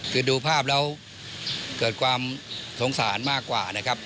คือดูภาพแล้วเกิดความโสนสารมากกว่า